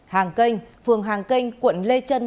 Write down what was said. hàng kênh phường hàng kênh quận lê trân